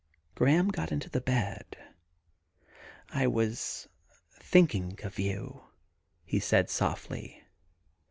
Graham got into the bed. ' I was thinking of you,' he said softly.